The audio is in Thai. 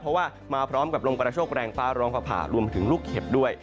เพราะว่ามาพร้อมกับลมกระโชคแรงฟ้าร้องผ่ารวมถึงลูกเห็บด้วย